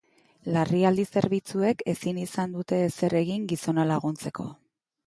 Larrialdi zerbitzuek ezin izan dute ezer egin gizona laguntzeko.